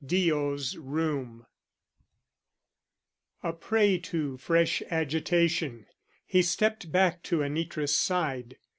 DEO'S ROOM A prey to fresh agitation, he stepped back to Anitra's side.